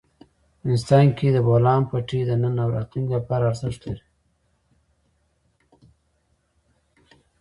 افغانستان کې د بولان پټي د نن او راتلونکي لپاره ارزښت لري.